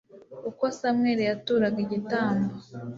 uko samweli yaturaga igitambo